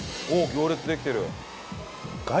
行列できてる。